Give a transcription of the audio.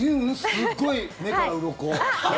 すっごい目からうろこ。